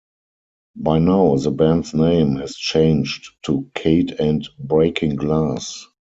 By now the band's name has changed to "Kate and Breaking Glass".